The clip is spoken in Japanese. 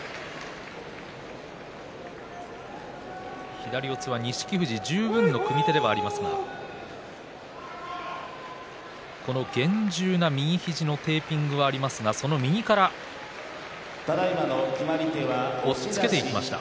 左四つは錦富士の十分な組み手ではありますが現状には右肘のテーピングがありますが、その右から攻めました。